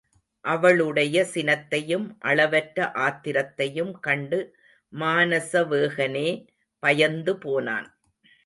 அவளுடைய சினத்தையும் அளவற்ற ஆத்திரத்தையும் கண்டு மானசவேகனே பயந்து போனான்.